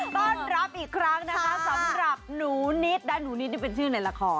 ต้อนรับอีกครั้งนะคะสำหรับหนูนิดและหนูนิดนี่เป็นชื่อในละคร